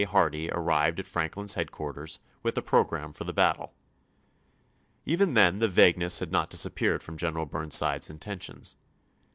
Hardie arrived at Franklin's Record/" headquarters with the programme for the battle, p. 162.'' Even then the vagueness had not disappeared from Greneral Burnside's intentions.